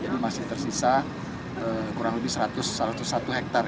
jadi masih tersisa kurang lebih satu ratus satu hektare